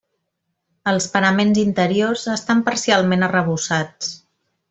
Els paraments interiors estan parcialment arrebossats.